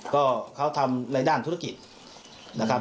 ก็เขาทำในด้านธุรกิจนะครับ